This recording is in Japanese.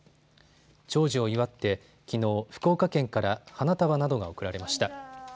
長寿を祝ってきのう福岡県から花束などが贈られました。